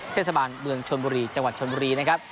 เทศบาลเมืองชนบุรีจังหวัดชนบุรีนะครับ